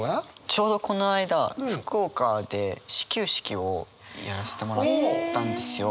ちょうどこの間福岡で始球式をやらせてもらったんですよ。